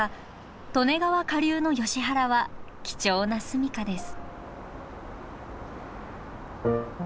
利根川下流のヨシ原は貴重な住みかです。